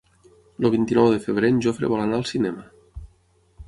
El vint-i-nou de febrer en Jofre vol anar al cinema.